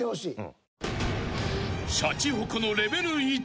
［シャチホコのレベル１］